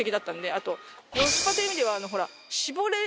あとコスパという意味ではほら搾り取れる